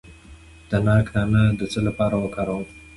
د ناک دانه د څه لپاره وکاروم؟